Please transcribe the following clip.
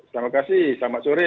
selamat sore selamat sore